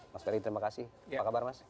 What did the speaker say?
mas ferry terima kasih apa kabar mas